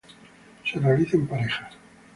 Se realiza en parejas.